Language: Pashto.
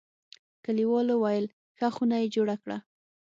کلیوالو ویل: ښه خونه یې جوړه کړه.